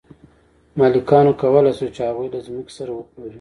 مالکانو کولی شول چې هغوی له ځمکو سره وپلوري.